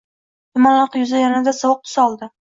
Dumaloq yuzi yanada sovuq tus oldi